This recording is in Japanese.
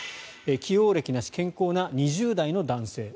既往歴なし健康な２０代の男性。